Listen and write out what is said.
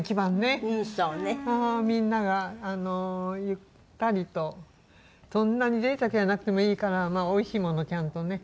みんながゆったりとそんなに贅沢じゃなくてもいいから美味しいものちゃんとね